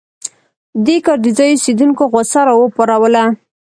دې کار د ځايي اوسېدونکو غوسه راوپاروله.